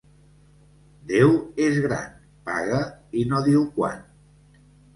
Déu és gran: paga i no diu quan.